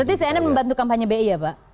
berarti cnn membantu kampanye bi ya pak